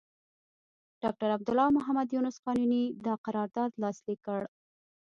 ډاکټر عبدالله او محمد یونس قانوني دا قرارداد لاسليک کړ.